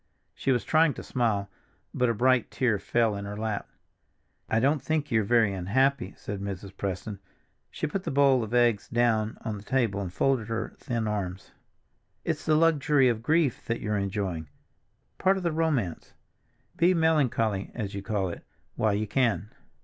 She was trying to smile, but a bright tear fell in her lap. "I don't think you're very unhappy," said Mrs. Preston. She put the bowl of eggs down on the table and folded her thin arms. "It's the luxury of grief that you're enjoying—part of the romance. Be melancholy—as you call it—while you can."